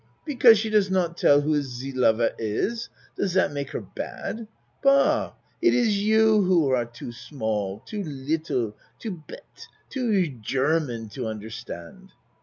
Be cause she does not tell who ze lover is does zat make her bad? Bah! It is you who are too small too little too bete too German to understand.